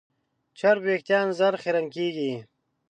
چرب وېښتيان ژر خیرن کېږي.